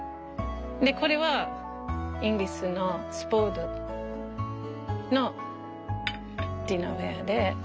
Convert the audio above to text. これはイギリスのスポードのディナーウェアで。